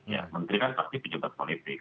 ya menteri kan pasti pejabat politik